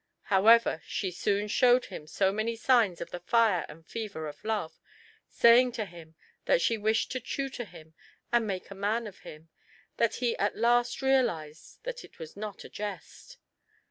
However, she soon showed him so many signs of the fire and fever of love, saying to him that she wished to tutor him and make a man of him, that he at last realised that it was not a jest.